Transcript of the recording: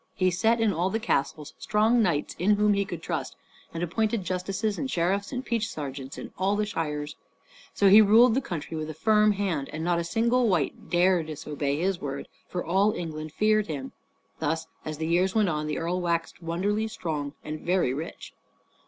He set in all the castles strong knights in whom he could trust, and appointed justices and sheriffs and peace sergeants in all the shires. So he ruled the country with a firm hand, and not a single wight dare disobey his word, for all England feared him. Thus, as the years went on, the earl waxed wonderly strong and very rich.